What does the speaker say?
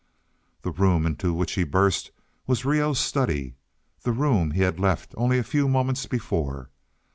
The room into which he burst was Reoh's study; the room he had left only a few moments before.